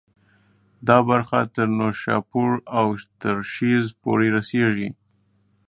دا برخه تر نیشاپور او ترشیز پورې رسېږي.